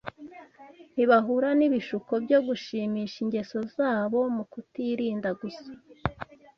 ntibahura n’ibishuko byo gushimisha ingeso zabo mu kutirinda gusa